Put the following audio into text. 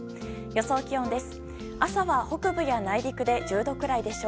予想気温です。